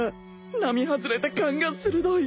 並外れて勘が鋭い！